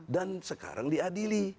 dan sekarang diadili